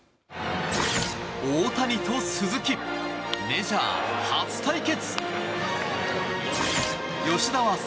大谷と鈴木、メジャー初対決！